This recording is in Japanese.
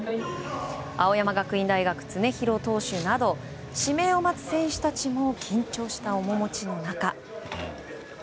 青山学院大学、常廣投手など指名を待つ選手たちも緊張した面持ちの中。